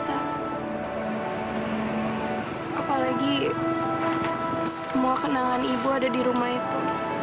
apalagi semua kenangan ibu ada di rumah itu